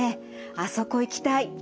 あそこ行きたい」。